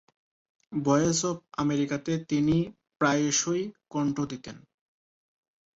Voice of আমেরিকাতে তিনি প্রায়শই কণ্ঠ দিতেন।